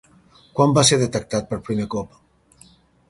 Quan va ser detectat per primer cop?